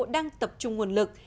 đang tập trung nguồn lực